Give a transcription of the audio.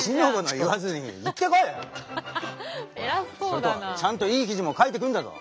それとちゃんといい記事も書いてくるんだぞ。